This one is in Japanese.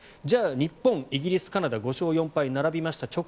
じゃあ日本はイギリス、カナダと５勝４敗で並びました。